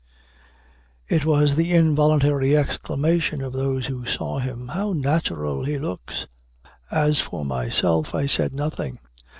It was the involuntary exclamation of those who saw him, "How natural he looks!" As for myself, I said nothing.